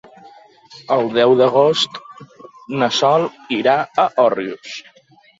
El deu d'agost na Sol irà a Òrrius.